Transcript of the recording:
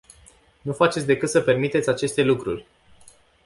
Nu faceți decât să permiteți aceste lucruri!